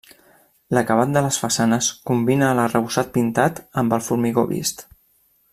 L'acabat de les façanes combina l'arrebossat pintat amb el formigó vist.